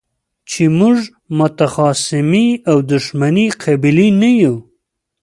چې موږ متخاصمې او دښمنې قبيلې نه يو.